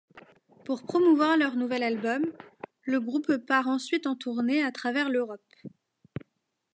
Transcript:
Pour promouvoir leur nouvel album, le groupe part ensuite en tournée à travers l'Europe.